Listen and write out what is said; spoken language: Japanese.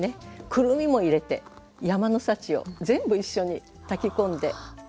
くるみも入れて山の幸を全部一緒に炊き込んでみて頂きたいですね。